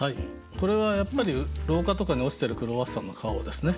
これはやっぱり廊下とかに落ちてるクロワッサンの皮をですね